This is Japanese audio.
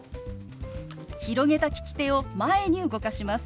広げた利き手を前に動かします。